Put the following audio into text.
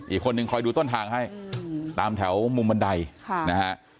อีกคนนึงคอยดูต้นทางให้ตามแถวมุมบันไดนะฮะ